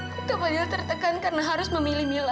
kok kak fadil tertekan karena harus memilih mila